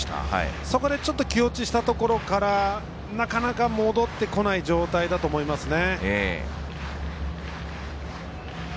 そこでちょっと気落ちしたところから、なかなか戻ってこない状態だと思いますね。